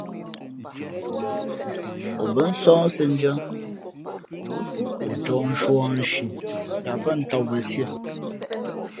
O bά nsǒh siēndʉ̄ᾱ, ǒ ncōh nshū ā nshi yāʼpάʼ tām wen síé.